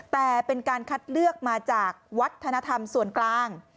แต่เป็นการคัดเลือกมาจากวัฒนธรรมส่วนกลาง